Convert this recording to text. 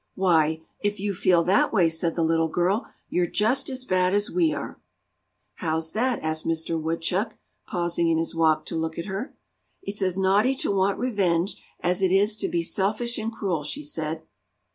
"Why, if you feel that way," said the little girl, "you're just as bad as we are!" "How's that?" asked Mister Woodchuck, pausing in his walk to look at her. "It's as naughty to want revenge as it is to be selfish and cruel," she said.